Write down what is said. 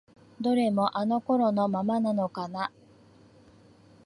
どれもあの頃のままなのかな？